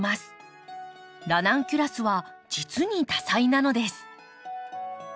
ラナンキュラスは実に多彩なのです。